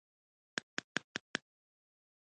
د هر ډول مشري لپاره تر هر څه لمړی خپلمنځي